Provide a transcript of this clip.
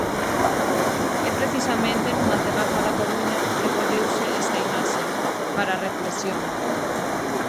E precisamente nunha terraza da Coruña recolleuse esta imaxe, para a reflexión.